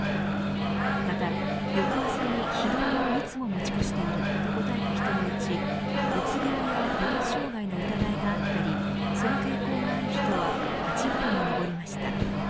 また翌朝に疲労をいつも持ち越していると答えた人のうちうつ病や不安障害の疑いがあったりその傾向がある人は８割に上りました。